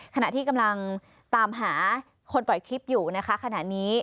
ขณะที่กำลังตามหาคนปล่อยคลิปอยู่นะคะขณะนี้